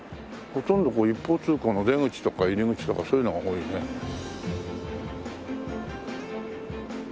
ほとんどこう一方通行の出口とか入り口とかそういうのが多いね。